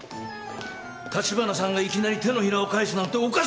立花さんがいきなり手のひらを返すなんておかしい。